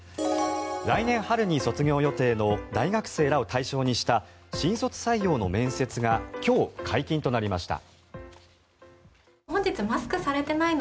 来年春に卒業予定の大学生らを対象にした新卒採用の面接が今日、解禁となりました。